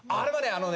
あのね